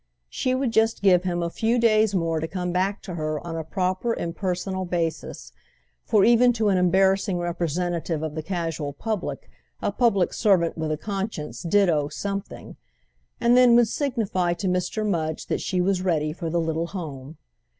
She would just give him a few days more to come back to her on a proper impersonal basis—for even to an embarrassing representative of the casual public a public servant with a conscience did owe something—and then would signify to Mr. Mudge that she was ready for the little home.